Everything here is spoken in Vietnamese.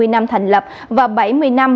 hai mươi năm thành lập và bảy mươi năm